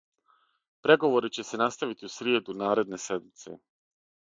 Преговори ће се наставити у сриједу наредне седмице.